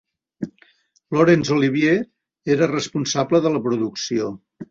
Laurence Olivier era responsable de la producció.